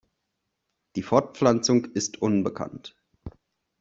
Die Fortpflanzung ist unbekannt.